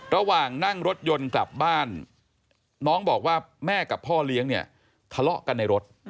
ระหว่างนั่งรถยนต์กลับบ้านน้องบอกว่าแม่กับพ่อเลี้ยงเนี่ยทะเลาะกันในรถ